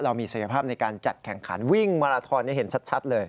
มีศักยภาพในการจัดแข่งขันวิ่งมาราทอนให้เห็นชัดเลย